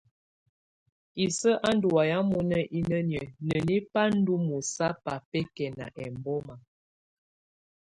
Isǝ́ á ndù waya mɔná inǝniǝ́ nǝni ba ndɔ̀ mɔ̀sabɔ̀á bɛkɛna ɛmbɔma.